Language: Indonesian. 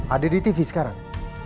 ada di tv sekarang